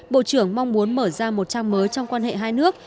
bộ trưởng mong muốn mở ra một trang mới trong quan hệ hai nước